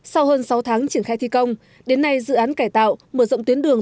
sau hơn sáu tháng triển khai thi công đến nay dự án cải tạo mở rộng tuyến đường